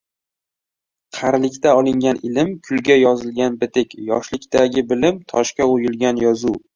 • Qarilikda olingan ilm — kulga yozilgan bitik, yoshlikdagi bilim — toshga o‘yilgan yozuv.